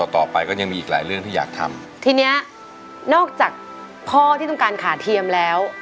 ที่เนี่ยนอกจากพ่อที่ต้องการขาเทียมแล้ว